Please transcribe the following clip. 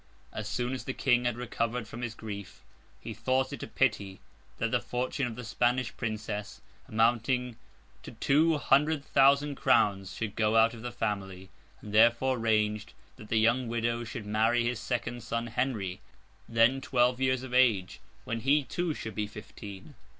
As soon as the King had recovered from his grief, he thought it a pity that the fortune of the Spanish Princess, amounting to two hundred thousand crowns, should go out of the family; and therefore arranged that the young widow should marry his second son Henry, then twelve years of age, when he too should be fifteen.